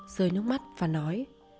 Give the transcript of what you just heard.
rơi nước mắt và nói